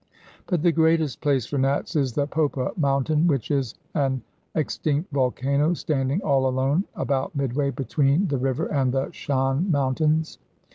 But the greatest place for Nats is the Popa Mountain, which is an extinct volcano standing all alone about midway between the river and the Shan Mountains.